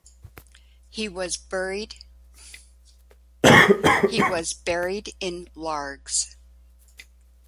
He was buried in Largs.